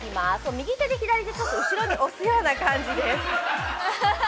右手で後ろに押すような感じです。